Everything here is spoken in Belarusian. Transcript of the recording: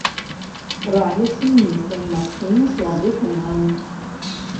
Раніцай месцамі магчымы слабы туман.